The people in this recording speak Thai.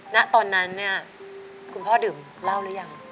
ณตอนนั้นเนี่ยคุณพ่อดื่มเหล้าหรือยัง